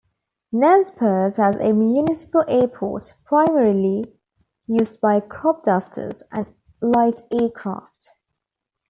Nezperce has a municipal airport, primarily used by cropdusters and light aircraft.